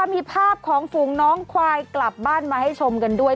มีภาพของฝูงน้องควายกลับบ้านมาให้ชมกันด้วย